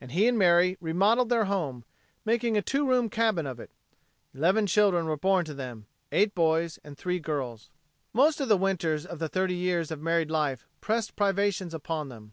And he and Mary remodeled their home, making a two room cabin of it. Eleven children were born to them eight boys and three girls. Most of the winters of the thirty years of married life pressed privations upon them.